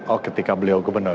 oh ketika beliau gubernur